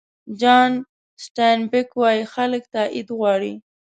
جان سټاین بېک وایي خلک تایید غواړي.